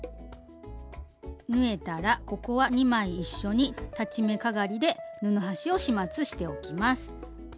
縫えたらここは２枚一緒に裁ち目かがりで布端を始末しておきます。